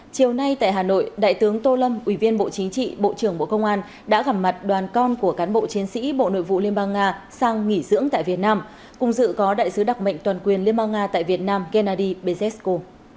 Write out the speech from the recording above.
chiều nay tại hà nội đại tướng tô lâm ủy viên bộ chính trị bộ trưởng bộ công an đã gặp mặt đoàn con của cán bộ chiến sĩ bộ nội vụ liên bang nga sang nghỉ dưỡng tại việt nam cùng dự có đại sứ đặc mệnh toàn quyền liên bang nga tại việt nam gennady bezesko